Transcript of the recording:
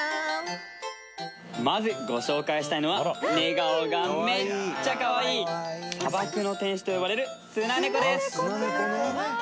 まずご紹介したいのは寝顔がめっちゃかわいい砂漠の天使と呼ばれるスナネコです